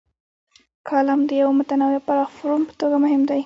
کالم د یوه متنوع او پراخ فورم په توګه مهم دی.